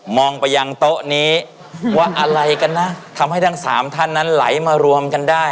ไปยังโต๊ะนี้ว่าอะไรกันนะทำให้ทั้งสามท่านนั้นไหลมารวมกันได้